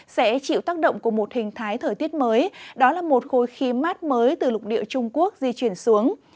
sẽ chịu tác động của một hình thái thời tiết mới đó là một khối khí mát mới từ lục địa trung quốc di chuyển xuống